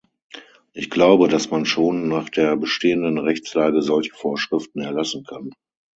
Ich glaube, dass man schon nach der bestehenden Rechtslage solche Vorschriften erlassen kann.